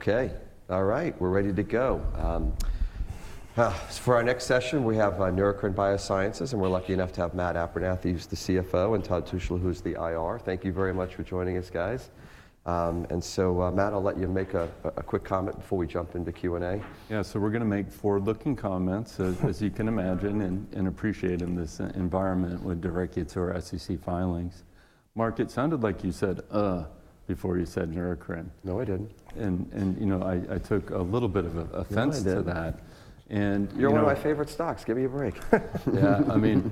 Okay. All right. We're ready to go. For our next session, we have Neurocrine Biosciences, and we're lucky enough to have Matt Abernethy, who's the CFO, and Todd Tushla, who's the IR. Thank you very much for joining us, guys. Matt, I'll let you make a quick comment before we jump into Q&A. Yeah, so we're going to make forward-looking comments, as you can imagine, and appreciate in this environment with directly to our SEC filings. Mark, it sounded like you said, before you said Neurocrine. No, I didn't. I took a little bit of offense to that. I didn't. You're one of my favorite stocks. Give me a break. Yeah, I mean,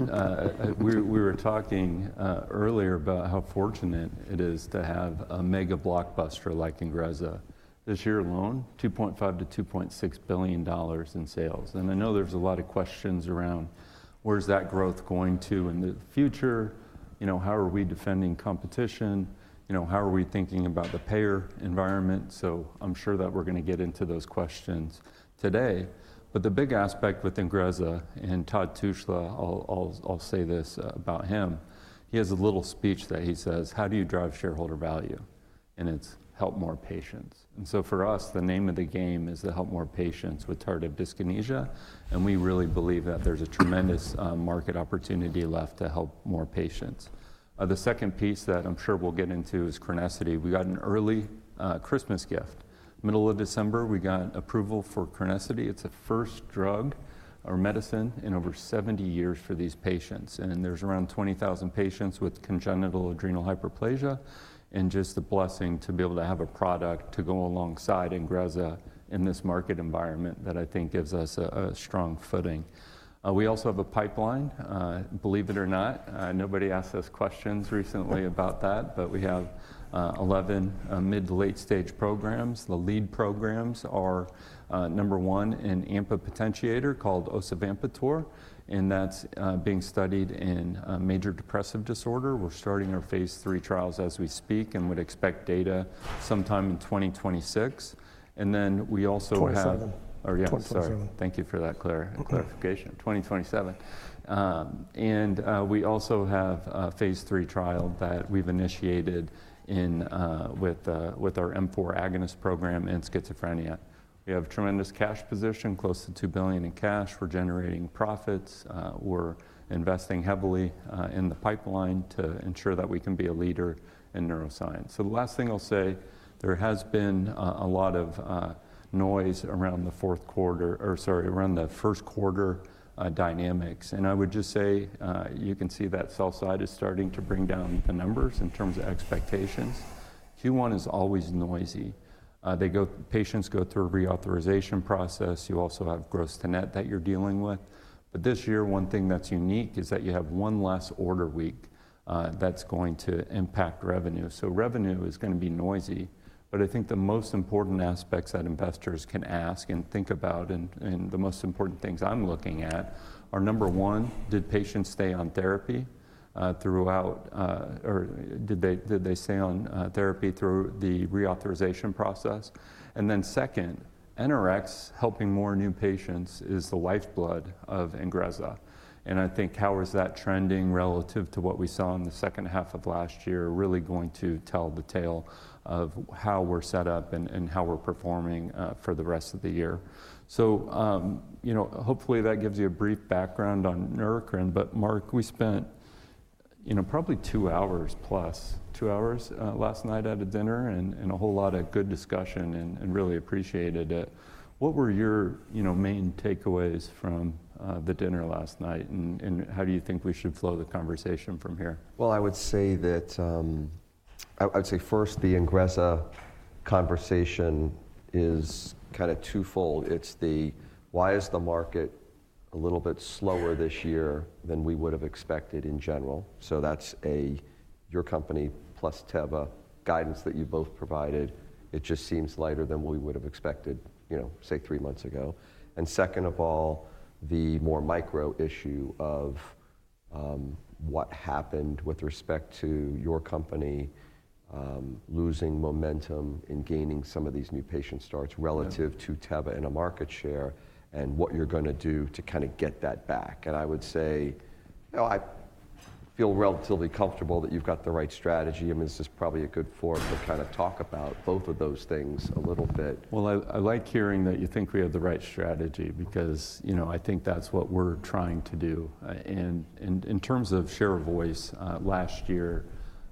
we were talking earlier about how fortunate it is to have a mega blockbuster like Ingrezza this year alone, $2.5-$2.6 billion in sales. I know there's a lot of questions around where's that growth going to in the future, you know, how are we defending competition, you know, how are we thinking about the payer environment. I'm sure that we're going to get into those questions today. The big aspect with Ingrezza and Todd Tushla, I'll say this about him. He has a little speech that he says, "How do you drive shareholder value?" And it's, "Help more patients." For us, the name of the game is to help more patients with tardive dyskinesia. We really believe that there's a tremendous market opportunity left to help more patients. The second piece that I'm sure we'll get into is Chronicity. We got an early Christmas gift. Middle of December, we got approval for Crinecerfont. It's the first drug or medicine in over 70 years for these patients. And there's around 20,000 patients with congenital adrenal hyperplasia. Just the blessing to be able to have a product to go alongside Ingrezza in this market environment that I think gives us a strong footing. We also have a pipeline. Believe it or not, nobody asked us questions recently about that, but we have 11 mid to late stage programs. The lead programs are number one, an AMPA potentiator called Osavampator, and that's being studied in major depressive disorder. We're starting our phase three trials as we speak and would expect data sometime in 2026. We also have. '27. Oh, yeah. '27. Thank you for that clarification. 2027. We also have a phase three trial that we've initiated with our M4 agonist program in schizophrenia. We have a tremendous cash position, close to $2 billion in cash. We're generating profits. We're investing heavily in the pipeline to ensure that we can be a leader in neuroscience. The last thing I'll say, there has been a lot of noise around the fourth quarter, or sorry, around the first quarter dynamics. I would just say you can see that sell side is starting to bring down the numbers in terms of expectations. Q1 is always noisy. Patients go through a reauthorization process. You also have gross to net that you're dealing with. This year, one thing that's unique is that you have one less order week that's going to impact revenue. Revenue is going to be noisy. I think the most important aspects that investors can ask and think about, and the most important things I'm looking at are number one, did patients stay on therapy throughout, or did they stay on therapy through the reauthorization process? Then second, NRX helping more new patients is the lifeblood of Ingrezza. I think how is that trending relative to what we saw in the second half of last year is really going to tell the tale of how we're set up and how we're performing for the rest of the year. You know, hopefully that gives you a brief background on Neurocrine. Mark, we spent, you know, probably two hours plus, two hours last night at a dinner and a whole lot of good discussion and really appreciated it. What were your, you know, main takeaways from the dinner last night? How do you think we should flow the conversation from here? I would say first, the Ingrezza conversation is kind of twofold. It's the, why is the market a little bit slower this year than we would have expected in general? That's your company plus Teva guidance that you both provided. It just seems lighter than we would have expected, you know, say three months ago. Second of all, the more micro issue of what happened with respect to your company losing momentum and gaining some of these new patient starts relative to Teva and market share and what you're going to do to kind of get that back. I would say, you know, I feel relatively comfortable that you've got the right strategy. I mean, this is probably a good forum to kind of talk about both of those things a little bit. I like hearing that you think we have the right strategy because, you know, I think that's what we're trying to do. In terms of share of voice, last year,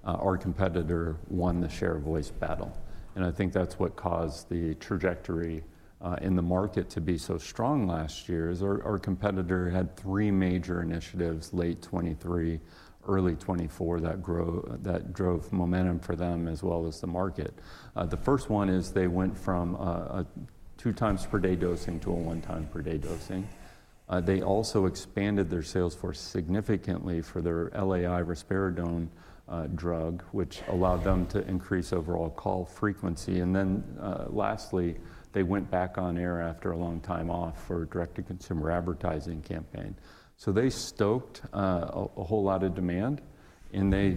our competitor won the share of voice battle. I think that's what caused the trajectory in the market to be so strong last year is our competitor had three major initiatives late 2023, early 2024 that drove momentum for them as well as the market. The first one is they went from a two times per day dosing to a one time per day dosing. They also expanded their sales force significantly for their LAI risperidone drug, which allowed them to increase overall call frequency. Lastly, they went back on air after a long time off for a direct-to-consumer advertising campaign. They stoked a whole lot of demand, and they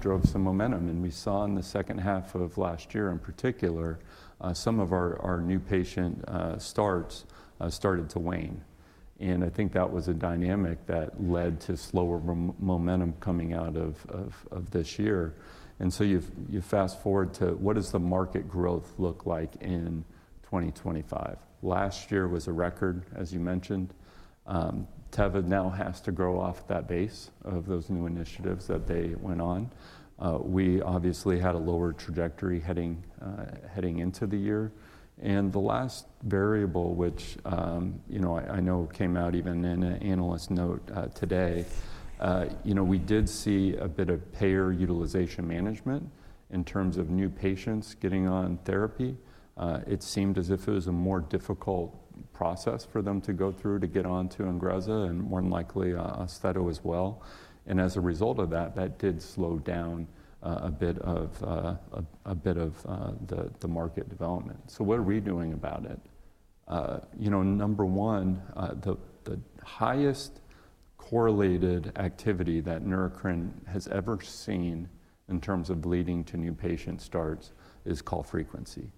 drove some momentum. We saw in the second half of last year in particular, some of our new patient starts started to wane. I think that was a dynamic that led to slower momentum coming out of this year. You fast forward to what does the market growth look like in 2025? Last year was a record, as you mentioned. Teva now has to grow off that base of those new initiatives that they went on. We obviously had a lower trajectory heading into the year. The last variable, which, you know, I know came out even in an analyst note today, you know, we did see a bit of payer utilization management in terms of new patients getting on therapy. It seemed as if it was a more difficult process for them to go through to get onto Ingrezza and more than likely Austedo as well. As a result of that, that did slow down a bit of the market development. What are we doing about it? You know, number one, the highest correlated activity that Neurocrine has ever seen in terms of leading to new patient starts is call frequency.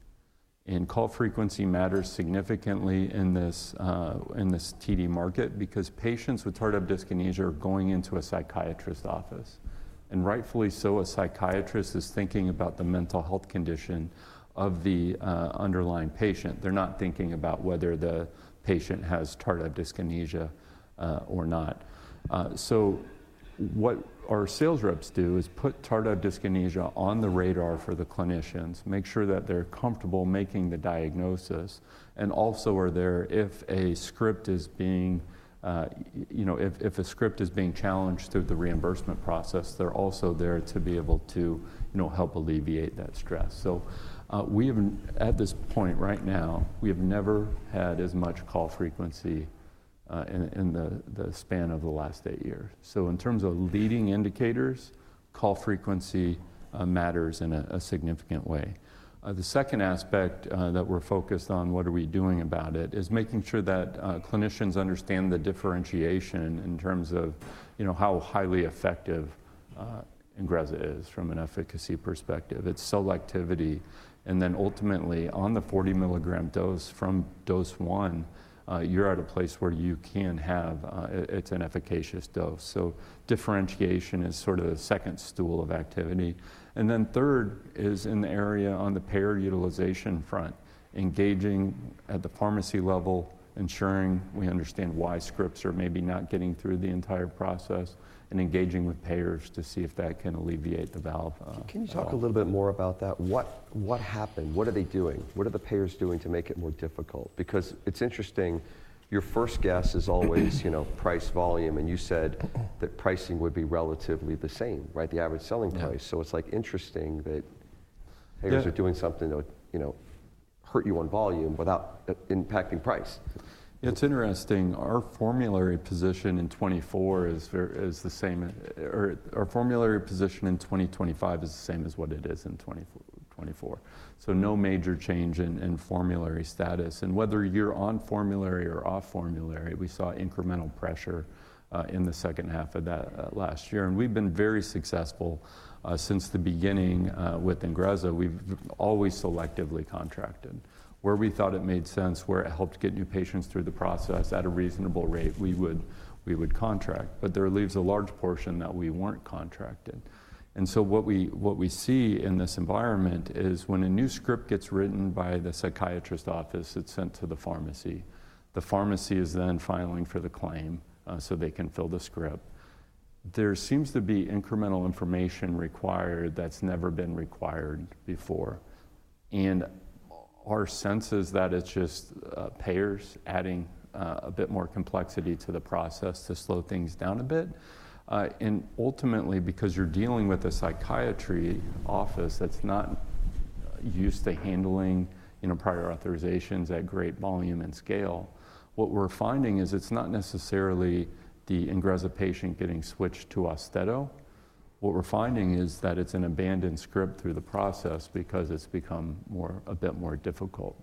Call frequency matters significantly in this TD market because patients with tardive dyskinesia are going into a psychiatrist's office. Rightfully so, a psychiatrist is thinking about the mental health condition of the underlying patient. They're not thinking about whether the patient has tardive dyskinesia or not. What our sales reps do is put tardive dyskinesia on the radar for the clinicians, make sure that they're comfortable making the diagnosis, and also are there if a script is being, you know, if a script is being challenged through the reimbursement process, they're also there to be able to, you know, help alleviate that stress. We have at this point right now, we have never had as much call frequency in the span of the last eight years. In terms of leading indicators, call frequency matters in a significant way. The second aspect that we're focused on, what are we doing about it, is making sure that clinicians understand the differentiation in terms of, you know, how highly effective Ingrezza is from an efficacy perspective. It's selectivity. Ultimately, on the 40 milligram dose from dose one, you're at a place where you can have it's an efficacious dose. Differentiation is sort of the second stool of activity. The third is in the area on the payer utilization front, engaging at the pharmacy level, ensuring we understand why scripts are maybe not getting through the entire process, and engaging with payers to see if that can alleviate the valve. Can you talk a little bit more about that? What happened? What are they doing? What are the payers doing to make it more difficult? Because it's interesting, your first guess is always, you know, price, volume, and you said that pricing would be relatively the same, right? The average selling price. It's interesting that payers are doing something that would, you know, hurt you on volume without impacting price. It's interesting. Our formulary position in 2024 is the same, or our formulary position in 2025 is the same as what it is in 2024. No major change in formulary status. Whether you're on formulary or off formulary, we saw incremental pressure in the second half of that last year. We've been very successful since the beginning with Ingrezza. We've always selectively contracted. Where we thought it made sense, where it helped get new patients through the process at a reasonable rate, we would contract. That leaves a large portion that we weren't contracted. What we see in this environment is when a new script gets written by the psychiatrist's office, it's sent to the pharmacy. The pharmacy is then filing for the claim so they can fill the script. There seems to be incremental information required that's never been required before. Our sense is that it's just payers adding a bit more complexity to the process to slow things down a bit. Ultimately, because you're dealing with a psychiatry office that's not used to handling, you know, prior authorizations at great volume and scale, what we're finding is it's not necessarily the Ingrezza patient getting switched to Austedo. What we're finding is that it's an abandoned script through the process because it's become a bit more difficult.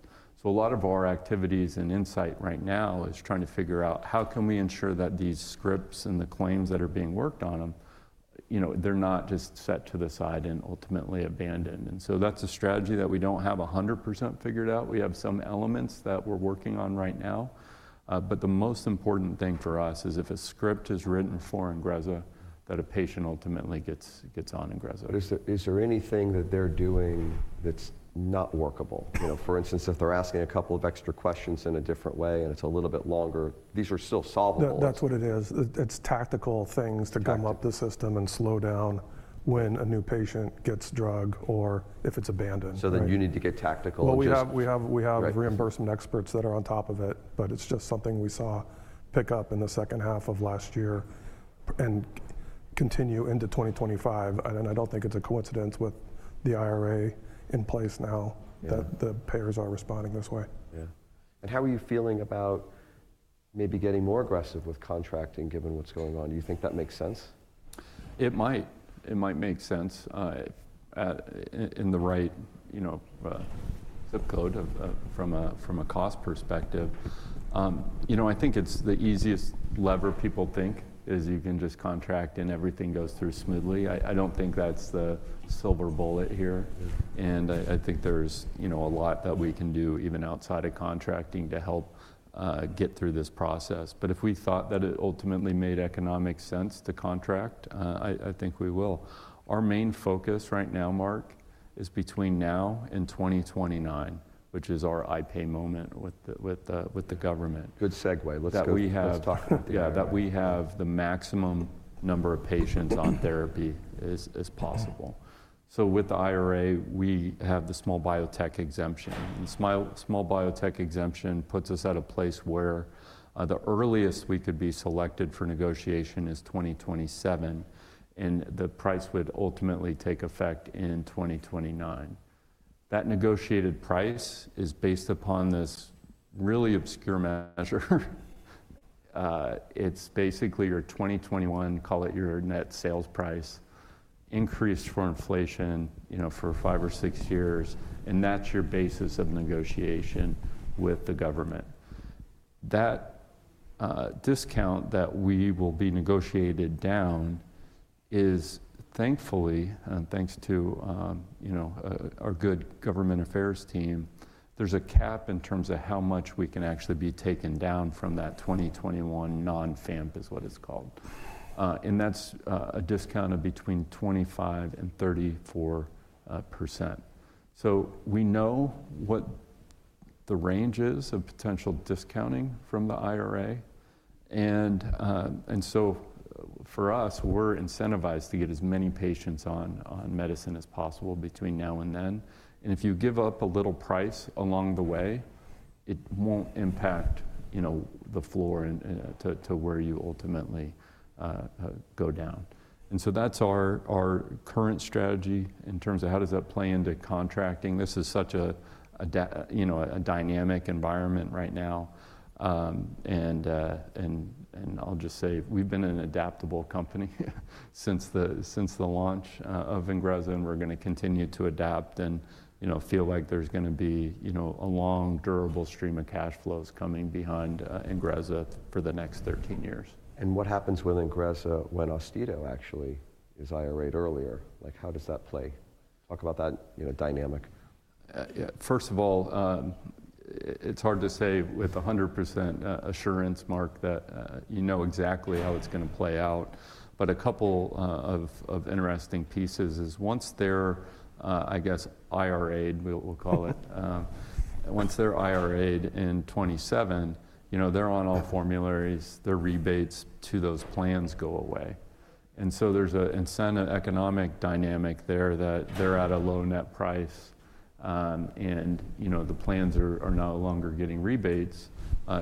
A lot of our activities and insight right now is trying to figure out how can we ensure that these scripts and the claims that are being worked on them, you know, they're not just set to the side and ultimately abandoned. That is a strategy that we don't have 100% figured out. We have some elements that we're working on right now. The most important thing for us is if a script is written for Ingrezza, that a patient ultimately gets on Ingrezza. Is there anything that they're doing that's not workable? You know, for instance, if they're asking a couple of extra questions in a different way and it's a little bit longer, these are still solvable. That's what it is. It's tactical things to gum up the system and slow down when a new patient gets drug or if it's abandoned. You need to get tactical. We have reimbursement experts that are on top of it, but it's just something we saw pick up in the second half of last year and continue into 2025. I don't think it's a coincidence with the IRA in place now that the payers are responding this way. Yeah. How are you feeling about maybe getting more aggressive with contracting given what's going on? Do you think that makes sense? It might. It might make sense in the right, you know, zip code from a cost perspective. You know, I think it's the easiest lever people think is you can just contract and everything goes through smoothly. I don't think that's the silver bullet here. I think there's, you know, a lot that we can do even outside of contracting to help get through this process. If we thought that it ultimately made economic sense to contract, I think we will. Our main focus right now, Mark, is between now and 2029, which is our IPAY moment with the government. Good segue. Let's go. That we have the maximum number of patients on therapy as possible. With the IRA, we have the small biotech exemption. The small biotech exemption puts us at a place where the earliest we could be selected for negotiation is 2027, and the price would ultimately take effect in 2029. That negotiated price is based upon this really obscure measure. It is basically your 2021, call it your net sales price, increased for inflation, you know, for five or six years. That is your basis of negotiation with the government. That discount that we will be negotiated down is, thankfully, and thanks to, you know, our good government affairs team, there is a cap in terms of how much we can actually be taken down from that 2021 non-FAMP is what it is called. That is a discount of between 25% and 34%. We know what the range is of potential discounting from the IRA. For us, we're incentivized to get as many patients on medicine as possible between now and then. If you give up a little price along the way, it won't impact, you know, the floor to where you ultimately go down. That's our current strategy in terms of how does that play into contracting. This is such a, you know, a dynamic environment right now. I'll just say we've been an adaptable company since the launch of Ingrezza and we're going to continue to adapt and, you know, feel like there's going to be, you know, a long, durable stream of cash flows coming behind Ingrezza for the next 13 years. What happens with Ingrezza when Austedo actually is IRA'd earlier? Like how does that play? Talk about that, you know, dynamic. First of all, it's hard to say with 100% assurance, Mark, that you know exactly how it's going to play out. A couple of interesting pieces is once they're, I guess, IRA'ed, we'll call it, once they're IRA'ed in 2027, you know, they're on all formularies, their rebates to those plans go away. There's an incentive economic dynamic there that they're at a low net price and, you know, the plans are no longer getting rebates.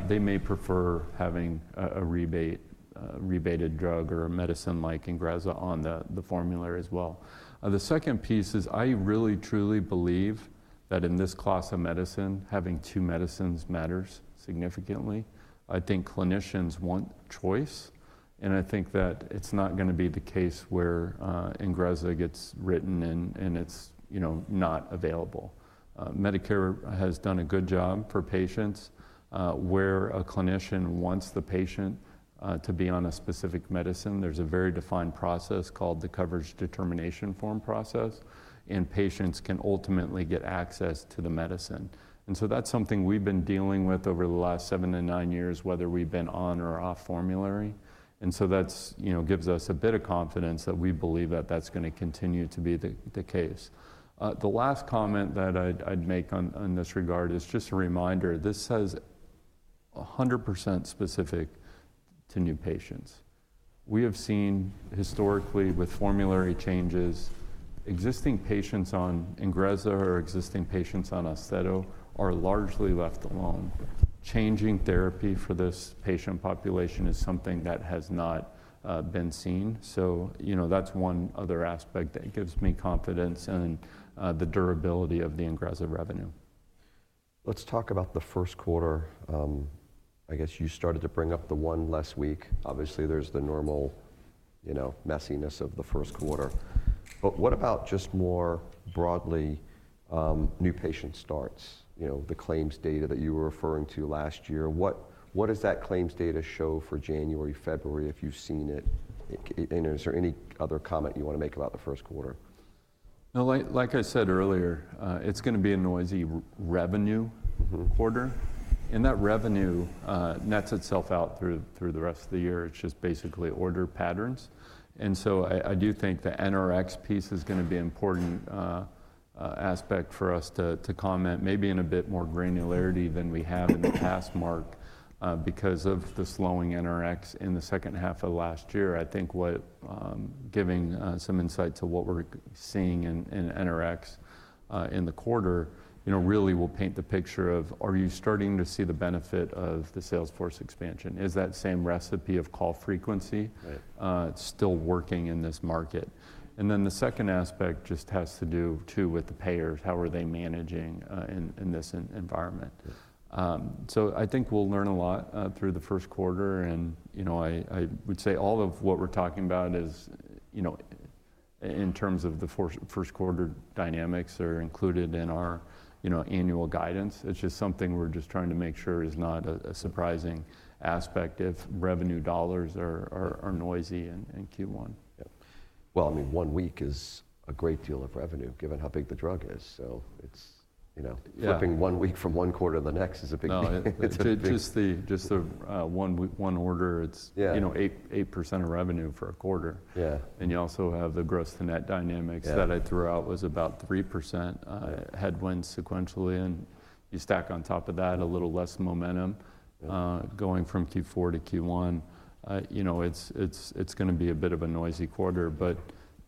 They may prefer having a rebated drug or a medicine like Ingrezza on the formulary as well. The second piece is I really, truly believe that in this class of medicine, having two medicines matters significantly. I think clinicians want choice. I think that it's not going to be the case where Ingrezza gets written and it's, you know, not available. Medicare has done a good job for patients where a clinician wants the patient to be on a specific medicine. There is a very defined process called the coverage determination form process, and patients can ultimately get access to the medicine. That is something we have been dealing with over the last seven to nine years, whether we have been on or off formulary. That, you know, gives us a bit of confidence that we believe that is going to continue to be the case. The last comment that I would make on this regard is just a reminder. This is 100% specific to new patients. We have seen historically with formulary changes, existing patients on Ingrezza or existing patients on Austedo are largely left alone. Changing therapy for this patient population is something that has not been seen. You know, that's one other aspect that gives me confidence in the durability of the Ingrezza revenue. Let's talk about the first quarter. I guess you started to bring up the one last week. Obviously, there's the normal, you know, messiness of the first quarter. What about just more broadly new patient starts, you know, the claims data that you were referring to last year? What does that claims data show for January, February, if you've seen it? Is there any other comment you want to make about the first quarter? Like I said earlier, it's going to be a noisy revenue quarter. That revenue nets itself out through the rest of the year. It's just basically order patterns. I do think the NRX piece is going to be an important aspect for us to comment, maybe in a bit more granularity than we have in the past, Mark, because of the slowing NRX in the second half of last year. I think giving some insight to what we're seeing in NRX in the quarter, you know, really will paint the picture of are you starting to see the benefit of the Salesforce expansion? Is that same recipe of call frequency still working in this market? The second aspect just has to do too with the payers. How are they managing in this environment? I think we'll learn a lot through the first quarter. You know, I would say all of what we're talking about is, you know, in terms of the first quarter dynamics are included in our, you know, annual guidance. It's just something we're just trying to make sure is not a surprising aspect if revenue dollars are noisy in Q1. I mean, one week is a great deal of revenue given how big the drug is. So it's, you know, flipping one week from one quarter to the next is a big deal. It's just the one order. It's, you know, 8% of revenue for a quarter. Yeah. You also have the gross to net dynamics that I threw out was about 3% headwinds sequentially. You stack on top of that a little less momentum going from Q4 to Q1. You know, it's going to be a bit of a noisy quarter, but,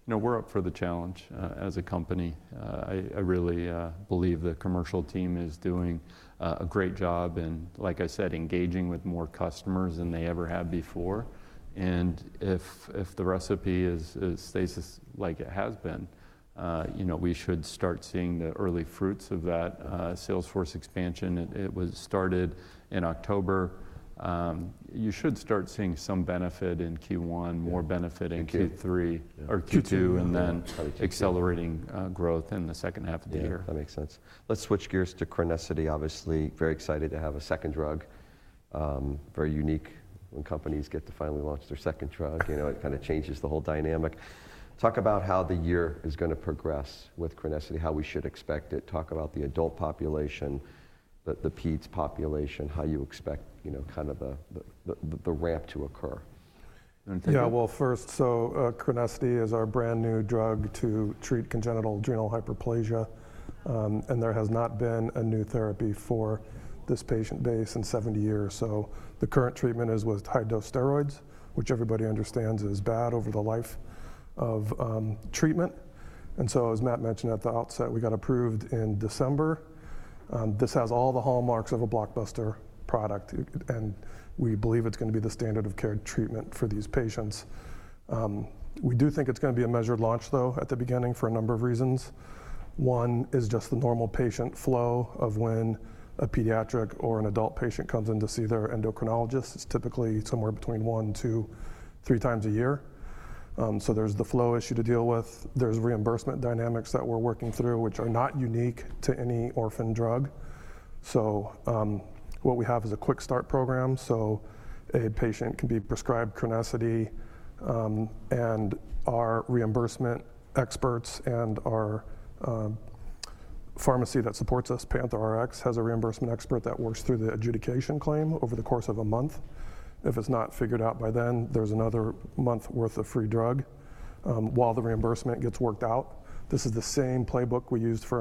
you know, we're up for the challenge as a company. I really believe the commercial team is doing a great job in, like I said, engaging with more customers than they ever had before. If the recipe stays like it has been, you know, we should start seeing the early fruits of that Salesforce expansion. It was started in October. You should start seeing some benefit in Q1, more benefit in Q3 or Q2, and then accelerating growth in the second half of the year. That makes sense. Let's switch gears to Chronicity, obviously very excited to have a second drug, very unique when companies get to finally launch their second drug. You know, it kind of changes the whole dynamic. Talk about how the year is going to progress with Chronicity, how we should expect it. Talk about the adult population, the peds population, how you expect, you know, kind of the ramp to occur. Yeah, first, Chronicity is our brand new drug to treat congenital adrenal hyperplasia. There has not been a new therapy for this patient base in 70 years. The current treatment is with high-dose steroids, which everybody understands is bad over the life of treatment. As Matt mentioned at the outset, we got approved in December. This has all the hallmarks of a blockbuster product, and we believe it's going to be the standard of care treatment for these patients. We do think it's going to be a measured launch at the beginning for a number of reasons. One is just the normal patient flow of when a pediatric or an adult patient comes in to see their endocrinologist. It's typically somewhere between one, two, three times a year. There's the flow issue to deal with. There's reimbursement dynamics that we're working through, which are not unique to any orphan drug. What we have is a quick start program. A patient can be prescribed Chronicity, and our reimbursement experts and our pharmacy that supports us, Panther Rx, has a reimbursement expert that works through the adjudication claim over the course of a month. If it's not figured out by then, there's another month's worth of free drug while the reimbursement gets worked out. This is the same playbook we used for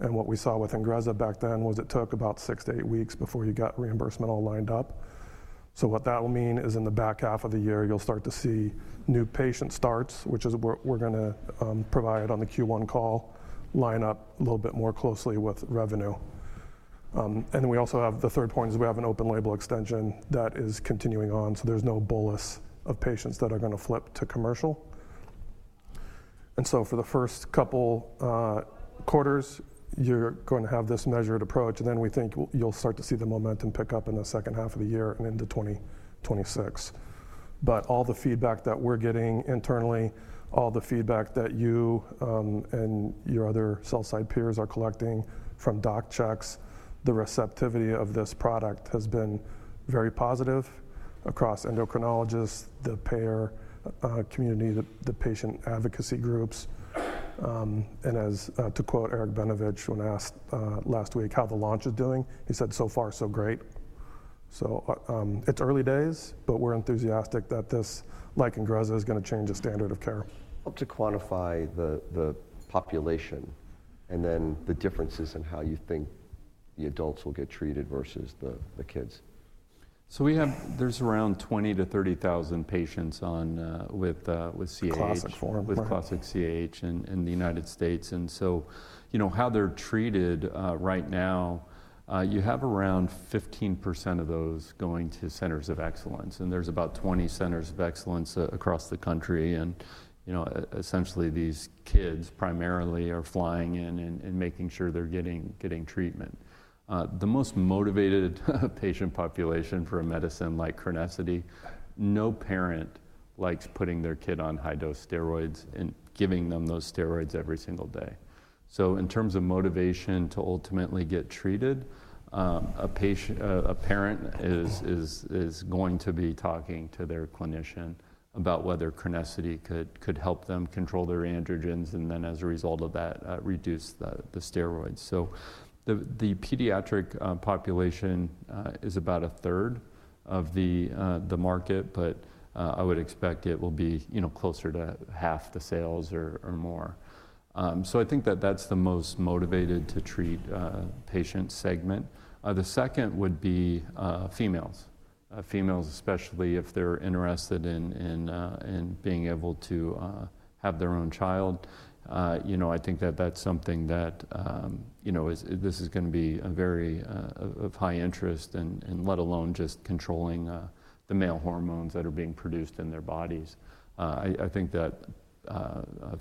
Ingrezza. What we saw with Ingrezza back then was it took about six to eight weeks before you got reimbursement all lined up. What that will mean is in the back half of the year, you'll start to see new patient starts, which is what we're going to provide on the Q1 call, line up a little bit more closely with revenue. We also have the third point, which is we have an open label extension that is continuing on. There is no bolus of patients that are going to flip to commercial. For the first couple quarters, you're going to have this measured approach. We think you'll start to see the momentum pick up in the second half of the year and into 2026. All the feedback that we're getting internally, all the feedback that you and your other sell-side peers are collecting from doc checks, the receptivity of this product has been very positive across endocrinologists, the payer community, the patient advocacy groups. To quote Eric Benevich when asked last week how the launch is doing, he said, "So far, so great." It is early days, but we're enthusiastic that this, like Ingrezza, is going to change the standard of care. Help to quantify the population and then the differences in how you think the adults will get treated versus the kids. We have, there's around 20,000-30,000 patients with CAH, with classic CAH in the United States. You know, how they're treated right now, you have around 15% of those going to centers of excellence. There's about 20 centers of excellence across the country. You know, essentially these kids primarily are flying in and making sure they're getting treatment. The most motivated patient population for a medicine like Chronicity, no parent likes putting their kid on high-dose steroids and giving them those steroids every single day. In terms of motivation to ultimately get treated, a parent is going to be talking to their clinician about whether Chronicity could help them control their androgens and then, as a result of that, reduce the steroids. The pediatric population is about a third of the market, but I would expect it will be, you know, closer to half the sales or more. I think that that's the most motivated to treat patient segment. The second would be females, females, especially if they're interested in being able to have their own child. You know, I think that that's something that, you know, this is going to be of very high interest and let alone just controlling the male hormones that are being produced in their bodies. I think that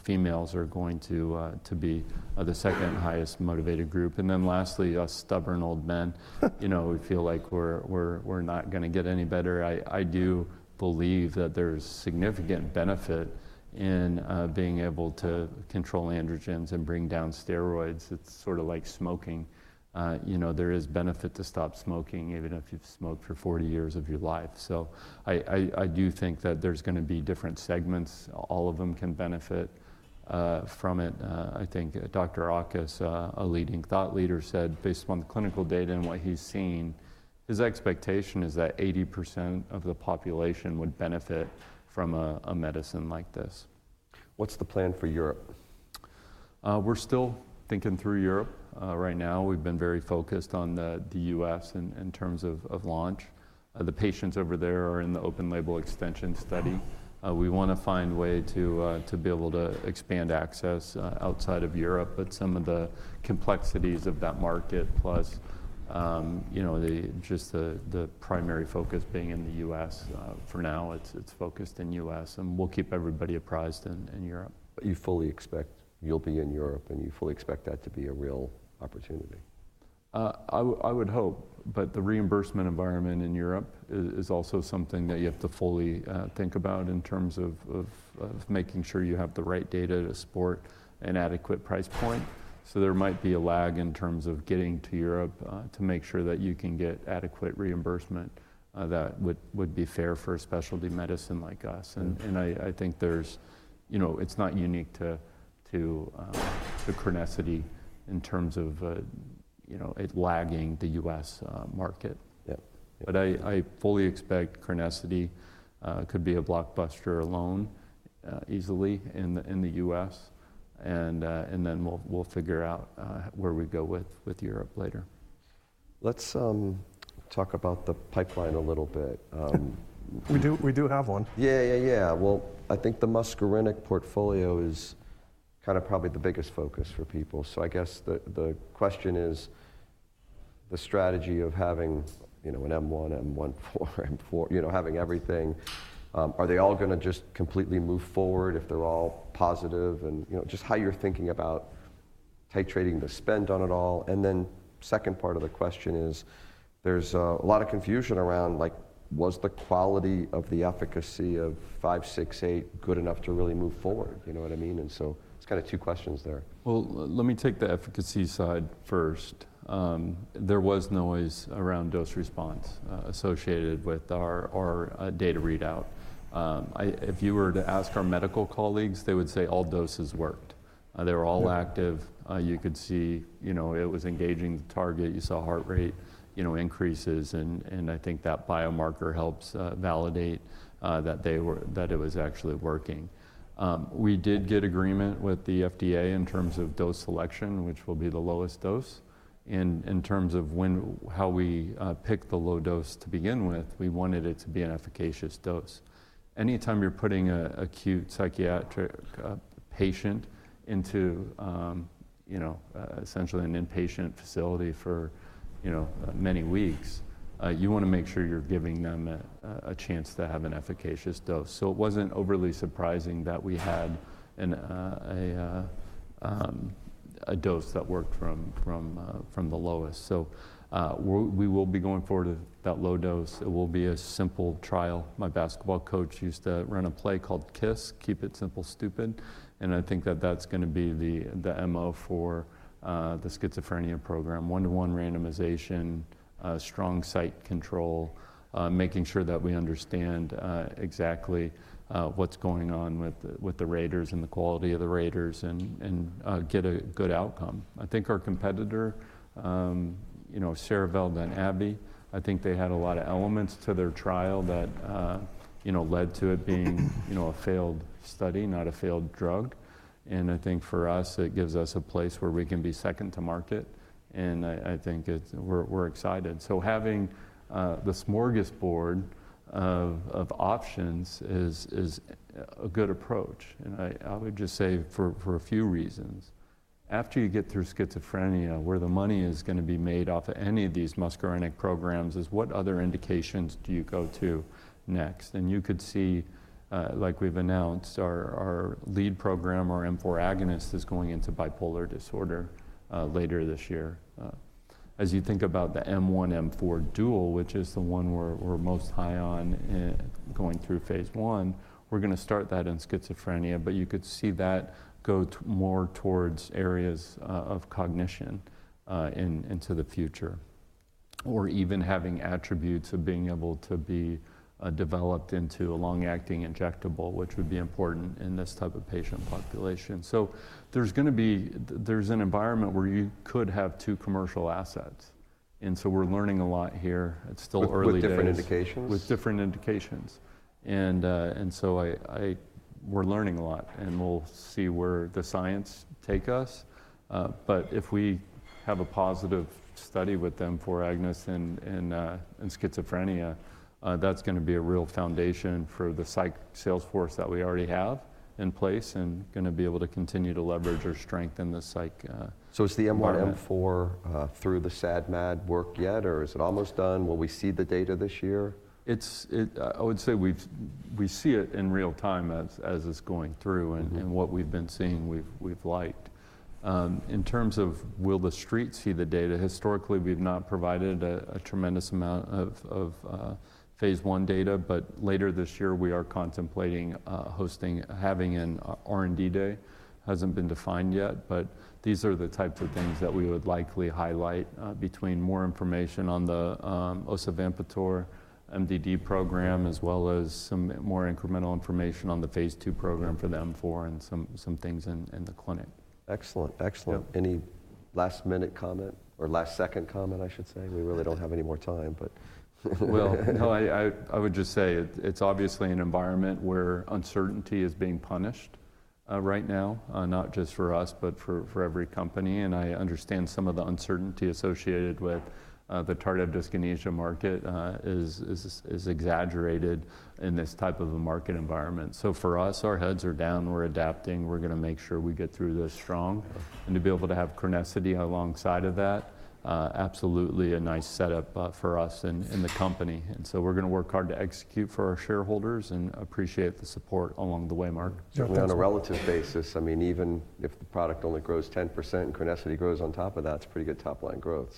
females are going to be the second highest motivated group. Lastly, us stubborn old men, you know, we feel like we're not going to get any better. I do believe that there's significant benefit in being able to control androgens and bring down steroids. It's sort of like smoking. You know, there is benefit to stop smoking even if you've smoked for 40 years of your life. I do think that there's going to be different segments. All of them can benefit from it. I think Dr. Auchus, a leading thought leader, said based upon the clinical data and what he's seen, his expectation is that 80% of the population would benefit from a medicine like this. What's the plan for Europe? We're still thinking through Europe right now. We've been very focused on the U.S. in terms of launch. The patients over there are in the open label extension study. We want to find a way to be able to expand access outside of Europe, but some of the complexities of that market, plus, you know, just the primary focus being in the U.S. for now, it's focused in the U.S. and we'll keep everybody apprised in Europe. You fully expect you'll be in Europe and you fully expect that to be a real opportunity? I would hope, but the reimbursement environment in Europe is also something that you have to fully think about in terms of making sure you have the right data to support an adequate price point. There might be a lag in terms of getting to Europe to make sure that you can get adequate reimbursement that would be fair for a specialty medicine like us. I think there's, you know, it's not unique to Crinecerfont in terms of, you know, it lagging the U.S. market. I fully expect Crinecerfont could be a blockbuster alone easily in the U.S. We will figure out where we go with Europe later. Let's talk about the pipeline a little bit. We do have one. Yeah, yeah, yeah. I think the muscarinic portfolio is kind of probably the biggest focus for people. I guess the question is the strategy of having, you know, an M1, M1, M4, you know, having everything. Are they all going to just completely move forward if they're all positive? You know, just how you're thinking about titrating the spend on it all. The second part of the question is there's a lot of confusion around, like, was the quality of the efficacy of 5, 6, 8 good enough to really move forward? You know what I mean? It's kind of two questions there. Let me take the efficacy side first. There was noise around dose response associated with our data readout. If you were to ask our medical colleagues, they would say all doses worked. They were all active. You could see, you know, it was engaging the target. You saw heart rate, you know, increases. I think that biomarker helps validate that it was actually working. We did get agreement with the FDA in terms of dose selection, which will be the lowest dose. In terms of how we pick the low dose to begin with, we wanted it to be an efficacious dose. Anytime you're putting an acute psychiatric patient into, you know, essentially an inpatient facility for, you know, many weeks, you want to make sure you're giving them a chance to have an efficacious dose. It was not overly surprising that we had a dose that worked from the lowest. We will be going forward with that low dose. It will be a simple trial. My basketball coach used to run a play called KISS, Keep It Simple, Stupid. I think that is going to be the MO for the schizophrenia program. One-to-one randomization, strong site control, making sure that we understand exactly what is going on with the raters and the quality of the raters and get a good outcome. I think our competitor, you know, Cerevel and AbbVie, I think they had a lot of elements to their trial that, you know, led to it being, you know, a failed study, not a failed drug. I think for us, it gives us a place where we can be second to market. I think we are excited. Having this smorgasbord of options is a good approach. I would just say for a few reasons. After you get through schizophrenia, where the money is going to be made off of any of these muscarinic programs is what other indications do you go to next? You could see, like we've announced, our lead program, our M4 agonist, is going into bipolar disorder later this year. As you think about the M1, M4 dual, which is the one we're most high on going through phase one, we're going to start that in schizophrenia, but you could see that go more towards areas of cognition into the future or even having attributes of being able to be developed into a long-acting injectable, which would be important in this type of patient population. There's an environment where you could have two commercial assets. We're learning a lot here. It's still early days. With different indications? With different indications. We are learning a lot and we will see where the science takes us. If we have a positive study with the M4 agonist in schizophrenia, that is going to be a real foundation for the psych salesforce that we already have in place and going to be able to continue to leverage or strengthen the psych. Is the M1, M4 through the Stadmed work yet or is it almost done? Will we see the data this year? I would say we see it in real time as it's going through and what we've been seeing, we've liked. In terms of will the street see the data, historically we've not provided a tremendous amount of phase one data, but later this year we are contemplating hosting, having an R&D day. It hasn't been defined yet, but these are the types of things that we would likely highlight between more information on the osavampator MDD program, as well as some more incremental information on the phase two program for the M4 and some things in the clinic. Excellent. Excellent. Any last minute comment or last second comment, I should say? We really do not have any more time, but. I would just say it's obviously an environment where uncertainty is being punished right now, not just for us, but for every company. I understand some of the uncertainty associated with the tardive dyskinesia market is exaggerated in this type of a market environment. For us, our heads are down. We're adapting. We're going to make sure we get through this strong and to be able to have Chronicity alongside of that, absolutely a nice setup for us and the company. We're going to work hard to execute for our shareholders and appreciate the support along the way, Mark. On a relative basis, I mean, even if the product only grows 10% and Chronicity grows on top of that, it's pretty good top-line growth.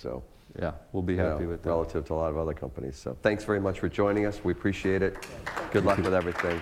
Yeah, we'll be happy with that. Relative to a lot of other companies. Thanks very much for joining us. We appreciate it. Good luck with everything.